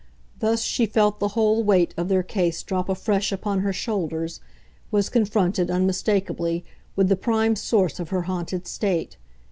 Thus she felt the whole weight of their case drop afresh upon her shoulders, was confronted, unmistakably, with the prime source of her haunted state.